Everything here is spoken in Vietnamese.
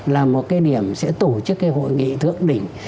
là một cái điểm sẽ tổ chức cái hội nghị thượng đỉnh